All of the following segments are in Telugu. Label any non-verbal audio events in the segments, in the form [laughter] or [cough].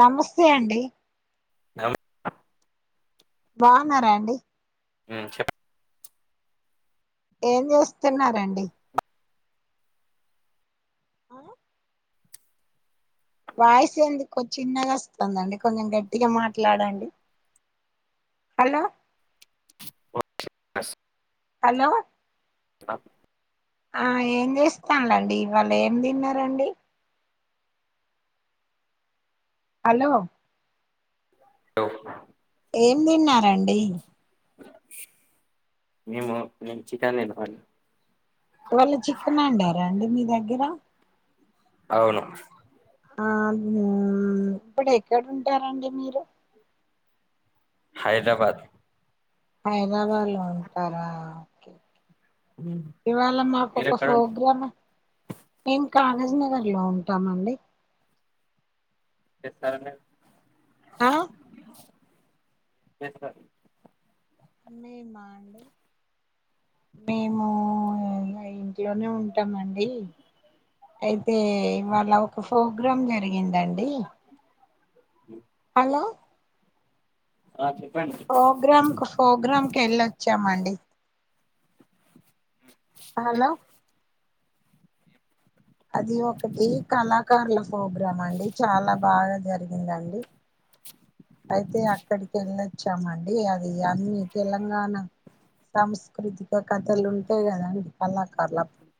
నమస్తే అండి నమ బావున్నారా అండి ఊ చెప్పు ఏం చేస్తున్నారండి ఆ వాయిస్ ఎందుకు చిన్నగా వస్తుందండి కొంచెం గట్టిగా మాట్లాడండి హలో హలో అ ఆ ఏం చేస్తాలేండి ఇవాళ ఏం తిన్నారండి హలో లో ఏం తిన్నారండి మేమ మేము చికెన్ తిన్నామండి ఇవాళ్ళ చికెన్ వండారా అండి మీ దగ్గర అవును ఆ ఇప్పుడు ఎక్కడుంటారండి మీరు హైదరాబాద్ హైదరాబాద్ లో ఉంటారా ఓకే ఓకే ఇవ్వాళ మాకు మీరు ఒక ఎక్కడ ఫోగ్రాం ఏం కానాజీ నగర్ లో ఉంటామండి [unintelligible] ఆ [unintelligible] మేమా అండి మేము ఇగ ఇంట్లోనే ఉంటామండి అయితే ఇవ్వాళ ఒక ఫోగ్రాం జరిగిందండి హ్ హలో ఆ చెప్పండి ప్రోగ్రాంకు ప్రోగ్రాంకి వెళ్ళొచ్చామండి హలో అది ఒకటి కళాకారుల ప్రోగ్రాం అండి చాలా బాగా జరిగిందండి అయితే అక్కడికి వెళ్ళొచ్చామండి అది అన్నీ తెలంగాణ సాంస్కృతిక కథలు ఉంటాయి కదండి కళాకార్లప్పుడు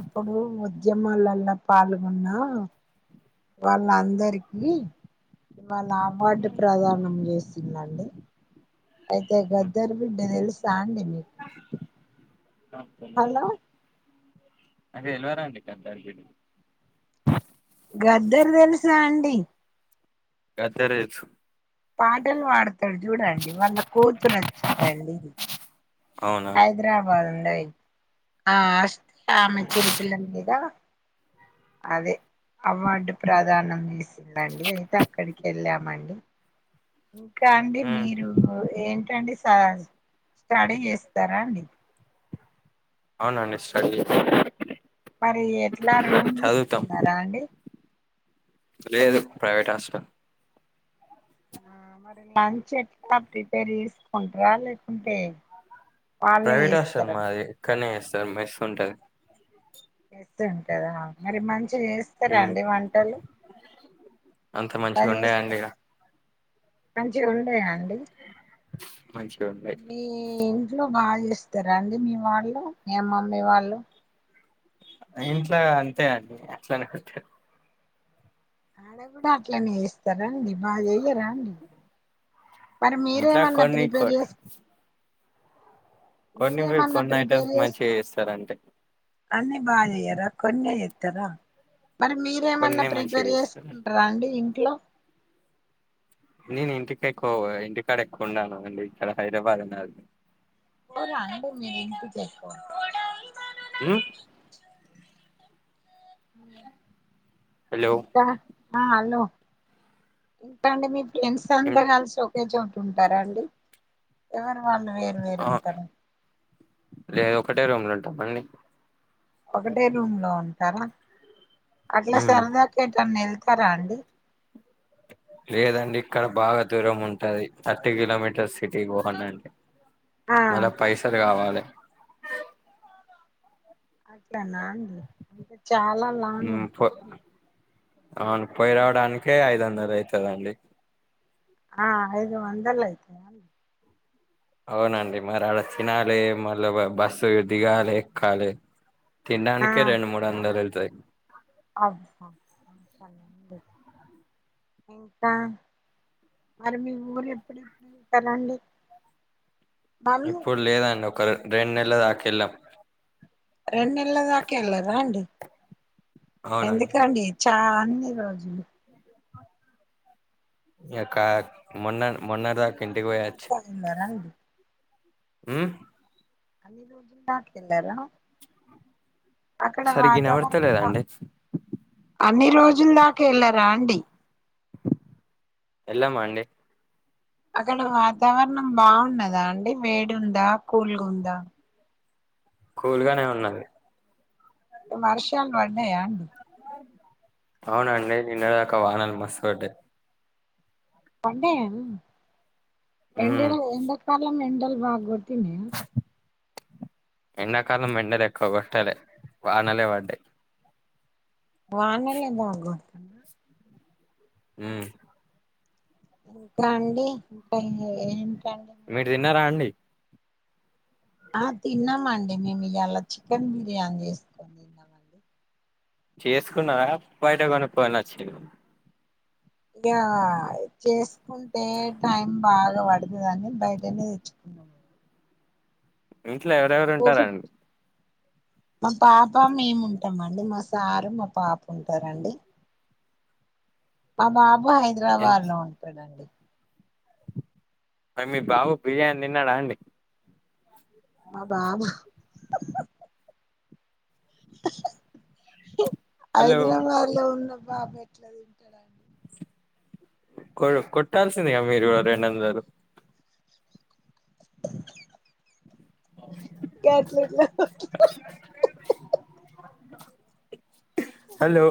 అప్పుడు ఉద్యమాలలో పాల్గొన్న వాళ్ళ అందరికి ఇవాళ అవార్డు ప్రధానం చేస్తుందండి అయితే గద్దర్ బిడ్డ తెలుసు [unintelligible] [unintelligible] అంటే ఎలివర అండి గద్దర్ బిడ్డ గద్దర్ తెలుసా అండి గతర్ తెలుసు పాటలు పాడతాడు చూడండి వాళ్ళ కోతురు వచ్చిందండి అవునా హైదరాబాద్ ఉండది ఆ ఆస్తి ఆమె చేతుల మీద అదే అవార్డు ప్రధానం చేసిందండి అయితే అక్కడికి వెళ్ళామండి ఇంకా అండి మీరు ఏంటండి స్టాడి చేస్తారా అండి అవునండి సీ మరి ఎట్లా రూమ్ తీసుకున్నారా అండి లేదు ప్రైవేట్ హాస్టల్ ఆ మరి లంచ్ ఎట్లా ప్రిపేర్ చేసుకుంటార లేకుంటే వాళ్ళే ప్రైవేట్ హాస్టల్ చేస్తారా మాది కానీ ఎక్కనే మెస్ ఉంటది మెస్సు ఉంటదా మరి మంచి మంచిగ చేస్తారా అండి వంటలు అంత బా మంచిగా ఉండేయండి ఇక చేస్తారా మంచిగా ఉండయా అండి మంచిగా ఉండే మీ ఇంట్లో బా చేస్తారా అండి మీ వాళ్ళు మీ అమ్మ మీ వాళ్ళు ఇంట్లో అంతే అండి అట్లే అనుకుంటారు ఆడ కూడా అట్లనే చేస్తారా అండి బాగా చెయ్యరా అండి మరి ఇంట్లో మీరేమన్నా కొన్ని ప్రిపేర్ కొ చేస్ కొన్ని వి- మీరేమన్నా కొన్ని ఐటమ్స్ ప్రిపేర్ చేస్ మంచిగా చేస్తారంటే అన్ని బా చేయరా కొన్నే చేత్తర మరి మీరేమన్నా కొన్ని మంచిగా ప్రిపేర్ చేస్తారు చేసుకుంటారా అండి ఇంట్లో నేను ఇంటికి ఎక్కువ ఇంటికాడ ఎక్కువ ఉండను కదండీ ఇక్కడ హైదరాబాద్ [unintelligible] [inaudible] మ్మ్ హలో దా హలో [unintelligible] మీ ఫ్రెండ్స్ అంతా ఉమ్, కలిసి ఒకే చోటు ఉంటారా అండి ఎవరు వాళ్ళు వేరు వేరు ఆ ఉంటారా లేదు ఒకటే రూమ్ లో ఉంటాం అండి ఒకటే రూమ్ లో ఉంటారా అట్లా ఉమ్, సరదాగా ఎటైనా వెళ్తారా అండి లేదండి ఇక్కడ బాగా దూరం ఉంటది థర్టీ కిలోమీటర్స్ సిటీ పోవాలి అండి ఆ మళ్ళ పైసలు కావాలి అదేనా అండి చాలా లాంగ్ ఉమ్, పో- ఉంటారు అవును పోయి రావడానికే ఐదు వందలు అయితుందండి ఆ ఐదు వందలు అయితుంది అవునండి మరి అడ తినాలి మళ్ళీ బస్సు దిగాలి, ఎక్కాలి తినడానికే రెండు, మూడు వందలు వెళ్తాయి అబ్బో ఇంకా మరి మీ ఊరు ఎప్పుడెప్పుడు [inaudible] కదండీ ఇప్పుడు లేదండి ఒక రెండు నెలల తాకెళ్ళాం రెండు నెల్ల దాకా ఎల్లారా అండి అవునండి ఎందుకండి చా అన్ని రోజులు ఇంకా మొన్న మొన్న అన్ని దాక ఇంటికి రోజుల పోయచ్చ్ దాకా వెళ్ళరా అండి మ్మ్ [unintelligible] అక్కడ సరిగ్గా వాతావరణం వినబడతలేదండి అన్ని రోజులు ఇందాకే ఎల్లరా అండి వెళ్ళామండి అక్కడ వాతావరణం బాగున్నదా అండి వేడుందా, కూల్గా ఉందా కూల్గానే ఉన్నది వర్షాలు పడ్డాయా అండి అవును అండి నిన్న దాక వానాల మస్తు ఒకటే పడ్డాయ అండి ఉమ్ ఎండలు ఎండాకాలం ఎం డలు బాగొడ్తున్నాయా ఎండాకాలం ఎండలు ఎక్కువ కొట్టలే వానలే పడ్డాయి వానలే [unintelligible] మ్మ్ ఇంకా అండి ఇంకా ఏంటండి మీరు తిన్నారా మీరేమన్న అండి ఆ తిన్నామండి మేము ఇయాలా చికెన్ బిర్యానీ చేసుకొని తిన్నామండి చేసుకున్నారా బయట కొనుక్కొని వచ్చిర్ర ఇంకా చేసుకుంటే టైం బాగా పడుతదని బయటనే తెచ్చుకున్నాం మ్మ్ ఇంట్లో ఎవరెవరు ఫిఫ్ ఉంటారండి మా పాప మేము ఉంటామండి. మా సారు, మా పాప ఉంటారండి మా బాబు ఎన్- హైదరాబాద్ లో ఉంటాడండి మరి మీ బాబు బిర్యానీ తిన్నాడా అండి మా బాబ హలో హైదరాబాద్ లో ఉన్న బాబ ఎట్లా తింటాడండి కొ కొట్టాల్సిందిగా మీరు రెంందరూ గట్లట్ల హలో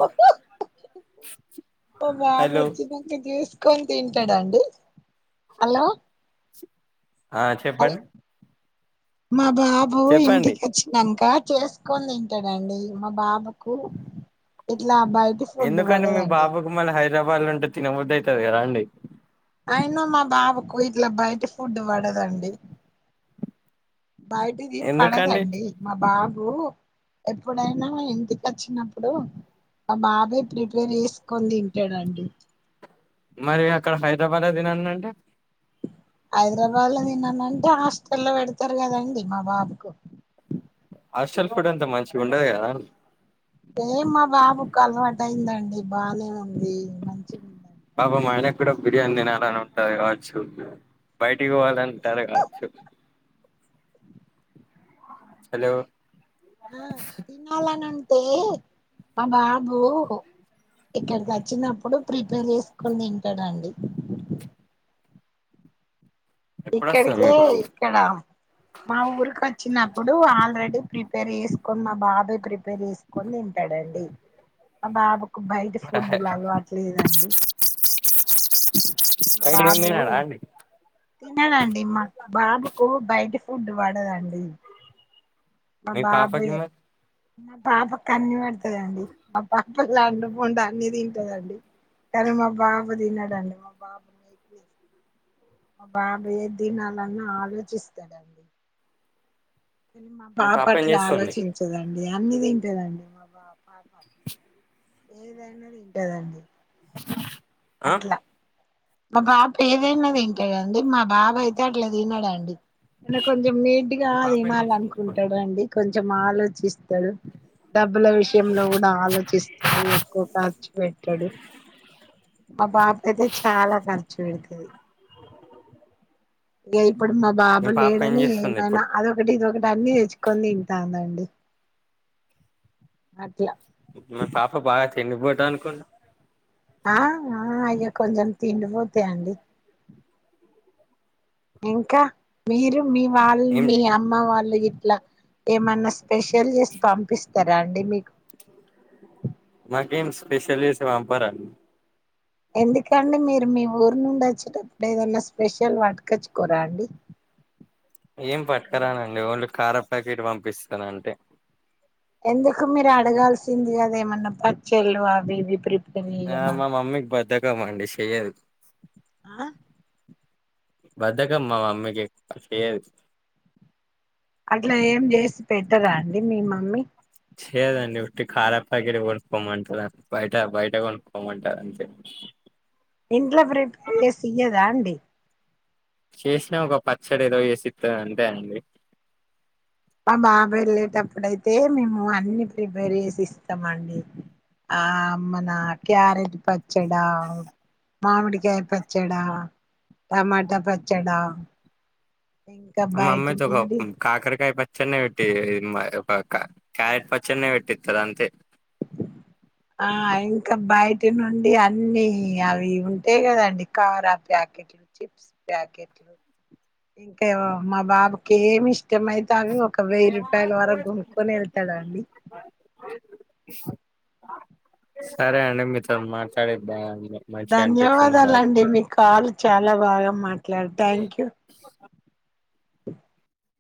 ఓ బాబు హలో వచ్చినినాక చూసుకొని తింటాడంండి హలో ఆ హల్ చెప్పండి మా బాబు చెప్పండి ఇంటికి వచ్చినాంక చేసుకొని తింటాడంండి మా బాబుకు ఇట్లా బయటి ఫుడ్ ఎందుకంటే మీ పడదండి బాబుకు మళ్ళీ హైదరాబాద్ లో ఉంటే తినబదు అవుతంది కదా అండి అయిన మా బాబుకు వీట్లో బయట ఫుడ్ పడదండి బయటిది ఎందుకండి పడదండి మా బాబు ఎప్పుడైనా ఇంటికి వచ్చినప్పుడు ఆ బాబాయ ప్రిపేర్ చేసుకొని తింటాడంండి మరి అక్కడ హైదరాబాద్ తినల్ల అంటే హైదరాబాద్ లో తన్నానంటే హాస్టల్లో పెడతారు కదండి మా బాబుకు హస్టల్ ఫుడ్ ఇంత మంచిగా ఉండదు కదా ఏం మా బాబుకు అలవాటు అయిందండి బానే ఉంది మంచిగా పాబా ఉందండి మయళకి కూడా బిర్యానీ తినాలని ఉంటుంది కావచ్చు బయ పట్టుకోవాలంటారు కాచ్చు హలో ఆ తినాలనంతే మా బాబు ఇక్కడికి వచ్చినప్పుడు ప్రిపేర్ చేసుకొని తింటాడంండి ఎప్పుడొస్తారు ఇక్కడిక మీ బాబు ఇక్కడ మా ఊరిక వచ్చినప్పుడు ఆల్రెడీ ప్రిపేర్ చేసుకొని మా బాబు పెర వేసుకొని తింటాడండి ఆ బాబుకు బయట ఫుడ్డు దు అట్లేదండి నైట్ ఏం బాబు తినడా అండి తిన్నాాలండి మాకు బాబుకు బయట ఫుడ్డు వాడేదండి మ పాపా కిమత్ మా పాప కన్ని పడుతుదండి మా పాప అండు పండు అన్ని తింటదండి కే మా బబు తినాడి మా బప మీ ప మా బాబయే తినాలన్నా ఆలోచిస్తాడండి అని మా మీ పాప ఏం బాబట్ల చేస్తుంది ఆలోచించదండి అన్నిదింటదండి మా బా పాప ఏదైనాదింటదండి ఆ అట్లా మా బాబా ఏదైనా తింటాడుండి మా బాబా అయితే అట్లా తినడాండి నన కొంచెం నీట్గా మీ పాప ఏం తినాల చేస్తుంది ఇప్పుడు అనుకుంటాడుండి కొంచెం ఆలోచిస్తాడు డబ్బుల విషయంలో కూడా ఆలోచిస్తాడు ఎక్కువ ఖర్చు పెట్టాడు మా బాబ అయితే చాలా ఖర్చు పెడుతుది ఇక ఇప్పుడు మా మీ బాబు పాప ఏం లేడని చేస్తుంది ఏమైనా ఇప్పుడు అదొకటి ఇదికీటి అన్నీ తెచ్చుకొని ఇంతాందండి అట్లా తండిపోట అనుకోం ఆ ఆ అయక కొంచెం తిండిపోతా అండి ఇంకా మీరు మీ వాళ్ళ మీ ఏం అమ్మ వాళ్ళు ఇట్లా ఏమైన్నా స్పెషల్ చేసి పంపిస్త స్తరా అండి మీ సెపెషల్ చేసి పంపారా ఎందుకండి మీరు మీ ఊరు నుండి వచ్చేటప్పుడు ఏదన్నా స్పెషల్ వాటుకచ్చుకోరా అండి ఏం పట్కరానండి ఓన్లీ కార ప్యాకెట్ పంపిస్తానంటే ఎందుకు మీరు అడగాల్సింది కదా ఏమన్నా పచ్చళ్ళు అవి ఇవి ప్రి ఆ మా మమ్మీకి బద్దకమండి చెయ్యదు ఆ బద్దకం మ మమ్మికి చేయది అట్లా ఏం చేసి పెట్టదా అండి మీ మమ్మీ చేయ్యదండి ఉట్టి కర ప్యాకెట్ కొనుక్కోమంటది అద్ బైట బైట కొనుక్కోమ్మంటాది అంతే ఇంట్లో ప్రిపేర్ చేసి ఇయ్యదా అండి చేసినా ఒక పచ్చడ ఏదో చేసిస్తది అంతే అండి ఆ బాబెళ్ళేటప్పుడైతే మేము అన్ని ప్రిపేర్ చేసి ఇస్తామండి ఆ అమ్మనా క్యారెట్ ప పచ్చడా మామిడికాయ పచ్చడా టమాటా పచ్చడా ఇంకా అ బయటి అమైతోక నుండి కాకరకాయ పచ్ చ్చన్నే పెట్టి మ్ క క్యారెట్ పచ్చన్నే పెట్టితది అంతే ఆ ఇంకా బయటి నుండి అన్నిీ అవి ఉంటై కదండి కారా ప్యా ెట్లు చిప్స్ ప్యాకెట్లు ఇంకా ఏవో మా బాబుకి ఏమి ఇష్టమై తె అవి ఒక వెయ్యి రూపాయల వరకు గునుకుొని వెళ్తాడు అండి సరే అం ఇంకా అనిపించింది బాయ్ ధన్యవాదాలండి మీ కాల్ చాలా బాగా మాట్లా థ్యాంక్ యూ